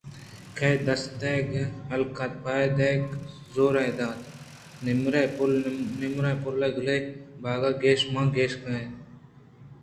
کئے دست ئیگ یلہ کنت ءُ پادئیگ ءَ زُوریت نَمِرپُلّ نَمِر پُلّءُ گلابے باگےءَکش ماں کش اِتنت